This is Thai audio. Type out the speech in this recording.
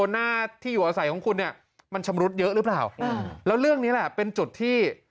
หน้าที่อยู่อาศัยของคุณเนี่ยมันชำรุดเยอะหรือเปล่าแล้วเรื่องนี้แหละเป็นจุดที่